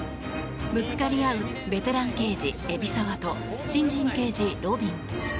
ぶつかり合うベテラン刑事・海老沢と新人刑事・路敏。